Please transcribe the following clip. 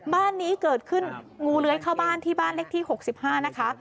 บ้านนี้เกิดขึ้นงูเลื้อยเข้าบ้านที่บ้านเลขที่๖๕นะคะ